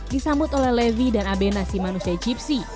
disambut oleh levi dan abena si manusia gypsi